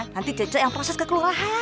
nanti cece yang proses kekelolaan